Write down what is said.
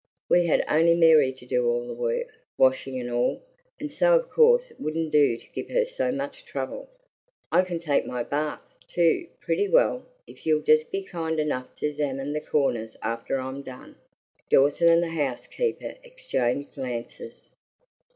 We had only Mary to do all the work, washing and all, and so of course it wouldn't do to give her so much trouble. I can take my bath, too, pretty well if you'll just be kind enough to 'zamine the corners after I'm done." Dawson and the housekeeper exchanged glances.